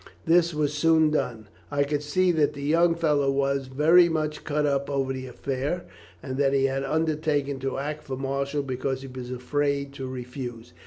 "This was soon done. I could see that the young fellow was very much cut up over the affair, and that he had undertaken to act for Marshall because he was afraid to refuse.